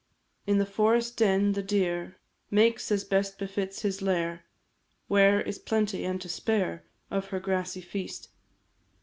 In the forest den, the deer Makes, as best befits, his lair, Where is plenty, and to spare, Of her grassy feast.